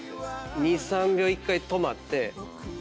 ２３秒１回止まって。